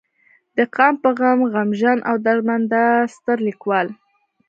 د قام پۀ غم غمژن او درمند دا ستر ليکوال